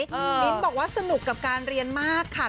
มิ้นบอกว่าสนุกกับการเรียนมากค่ะ